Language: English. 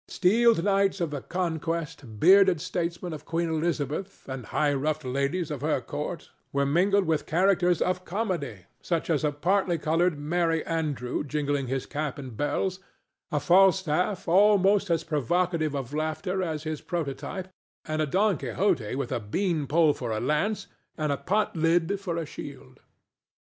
Steeled knights of the Conquest, bearded statesmen of Queen Elizabeth and high ruffed ladies of her court were mingled with characters of comedy, such as a parti colored Merry Andrew jingling his cap and bells, a Falstaff almost as provocative of laughter as his prototype, and a Don Quixote with a bean pole for a lance and a pot lid for a shield.